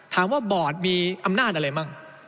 ถามว่าบอร์ดมีอำนาจอะไรบ้าง